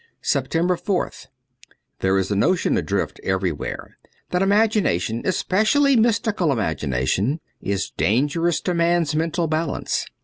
276 SEPTEMBER 4th THERE is a notion adrift everywhere that imagination, especially mystical imagination, is dangerous to man's mental balance.